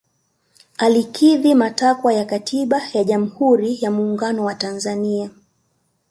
alikidhi matakwa ya katiba ya jamuhuri ya muungano wa tanzania